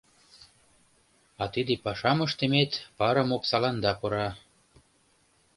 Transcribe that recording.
А тиде пашам ыштымет парым оксаланда пура.